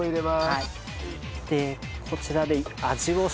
はい。